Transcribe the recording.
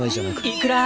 いくら。